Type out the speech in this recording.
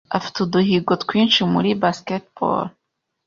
afite uduhigo twinshi muri Basketball